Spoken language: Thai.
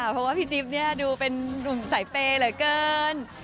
เพราะว่าพี่จิ๊บเนี่ยดูเป็นนุ่มสายเปย์เหลือเกิน